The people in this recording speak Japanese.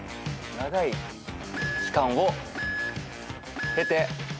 長い期間を経て。